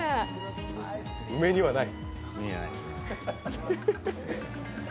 梅にはない。